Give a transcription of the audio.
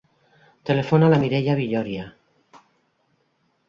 Telefona a la Mireia Villoria.